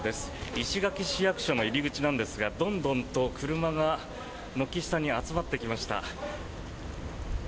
石垣市役所の入り口なんですがどんどんと車が軒下に集まってきました。